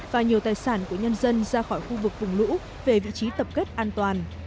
và nhiều tài sản của nhân dân ra khỏi khu vực vùng lũ về vị trí tập kết an toàn